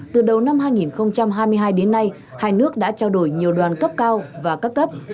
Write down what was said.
từ đầu năm hai nghìn hai mươi hai đến nay hai nước đã trao đổi nhiều đoàn cấp cao và các cấp